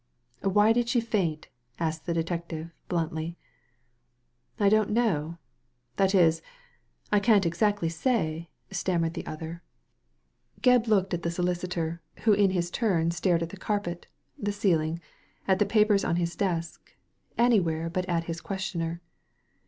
"Why did she faint? " asked the detective, bluntly. I don't know — that is, I can't exactly say," stammered the other. Digitized by Google 122 THE LADY FROM NOWHERE Gebb looked at the solicitor^ who in his turn stared at the carpet, the ceiling, at the papers on his desk ; anywhere but at his questioner.